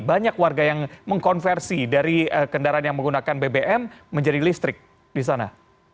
banyak warga yang mengkonversi dari kendaraan yang menggunakan bbm menjadi listrik di sana